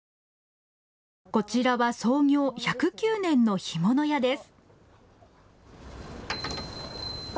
こちらは創業１０９年の干物屋です。